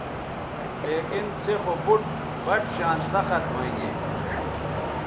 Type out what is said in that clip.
لیکن سے خو بُٹ بَٹ شان سخت ھوینگے